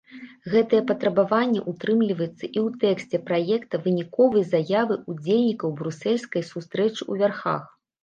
Гэтае патрабаванне ўтрымліваецца і ў тэксце праекта выніковай заявы ўдзельнікаў брусельскай сустрэчы ў вярхах.